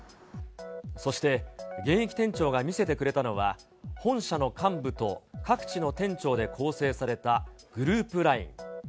そして現役店長が見せてくれたのは、本社の幹部と各地の店長で構成されたグループＬＩＮＥ。